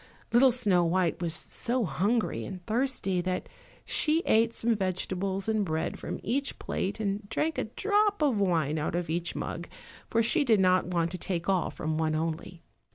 Little Snow white was so hungry and thirsty that she ate some vegetables and bread from each plate and drank a drop of wine out of each mug, for she did not wish to take all from one only.